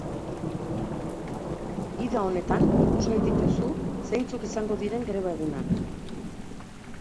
Gida honetan ikusgai dituzu zeintzuk izango diren greba-egunak.